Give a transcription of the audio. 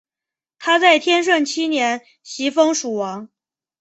他在天顺七年袭封蜀王。